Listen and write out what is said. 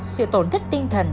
sự tổn thất tinh thần